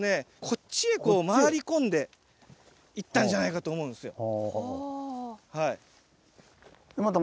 こっちへこう回り込んで行ったんじゃないかと思うんですよ。